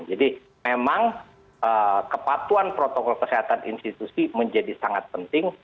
jadi memang kepatuan protokol kesehatan institusi menjadi sangat penting